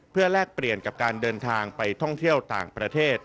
เพื่อแลกเปลี่ยนกับการเดินทางไปท่องเที่ยวต่างประเทศ